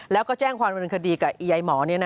แล้วก็แจ้งความเป็นคดีกับไอ้หมอนี่นะฮะ